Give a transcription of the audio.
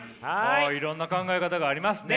いろんな考え方がありますね。